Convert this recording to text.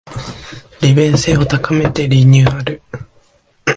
利便性を高めてリニューアル